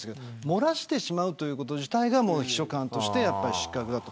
漏らしてしまうということ自体が秘書官として失格だと。